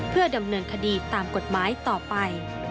เพื่อดำเนินคดีตามกฎหมายต่อไป